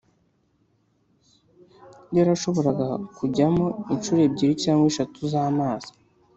Yarashoboraga kujyamo incuro ebyiri cyangwa eshatu z amazi